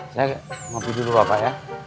saya mau pergi dulu bapak ya